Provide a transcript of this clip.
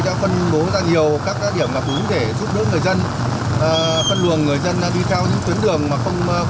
đã phân bố ra nhiều các điểm ngập úng để giúp đỡ người dân phân luồng người dân đi theo những tuyến đường mà không